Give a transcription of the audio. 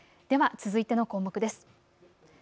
では続いての項目です。